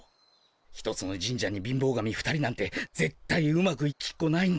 １つの神社に貧乏神２人なんてぜっ対うまくいきっこないんだから。